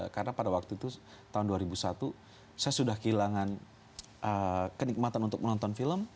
karena pada waktu itu tahun dua ribu satu saya sudah kehilangan kenikmatan untuk menonton film